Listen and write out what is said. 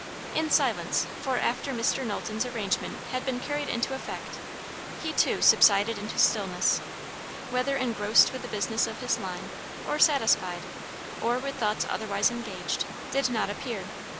In silence, for after Mr. Knowlton's arrangement had been carried into effect, he too subsided into stillness; whether engrossed with the business of his line, or satisfied, or with thoughts otherwise engaged, did not appear.